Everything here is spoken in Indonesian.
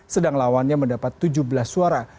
sedang lawannya mendapat tujuh belas suara